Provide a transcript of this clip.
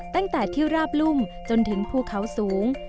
ตั้งแต่ที่ราบรุ่มจนถึงภูเขาสูง